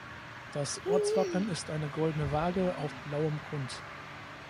Das Ortswappen ist eine goldene Waage auf blauem Grund.